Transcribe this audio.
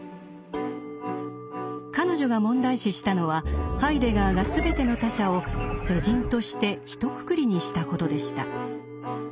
彼女が問題視したのはハイデガーが全ての他者を「世人」としてひとくくりにしたことでした。